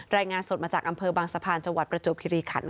รายงานสดมาจากอำเภอบางสะพานจังหวัดประจวบคิริขัน